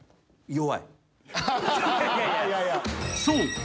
［そう。